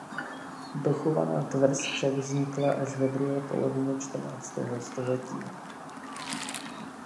Dochovaná tvrz však vznikla až ve druhé polovině čtrnáctého století.